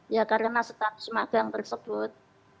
ya karena status magang tersebut